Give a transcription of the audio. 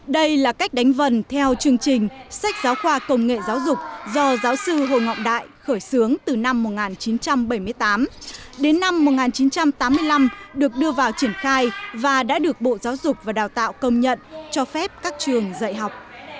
đây là cách đánh vần theo chương trình sách giáo khoa công nghệ giáo dục do giáo sư hồ ngọc đại khởi xướng từ năm một nghìn chín trăm bảy mươi tám đến năm một nghìn chín trăm tám mươi năm được đưa vào triển khai và đã được bộ giáo dục và đào tạo công nhận cho phép các trường dạy học